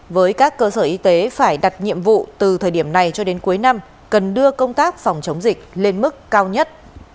với các cơ sở y tế phải đặt nhiệm vụ từ thời điểm này cho đến cuối năm cần đưa công tác phòng chống dịch lên mức cao nhất